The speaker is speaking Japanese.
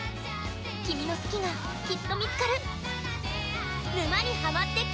君の好きが、きっと見つかる。